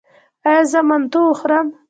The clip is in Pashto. ایا زه منتو وخورم؟